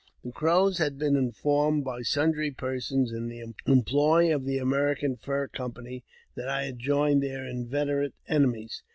The Crows had been informed by sundry persons in the employ of the American Fur Company that I had joined their inveterate enemies.